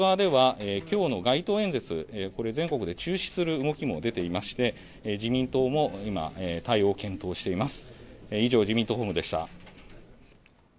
野党側ではきょうの街頭演説、全国で中止する動きも出ていまして自民党も今対応を検討しています。